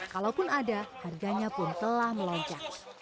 kalaupun ada harganya pun telah melonjak